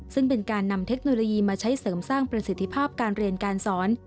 ซึ่งเป็นการนำเทคโนโลยีมาใช้เสริมสร้างประสิทธิภาพการเรียนการสอน